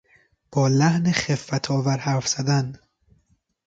با لحن خفتآور حرف زدن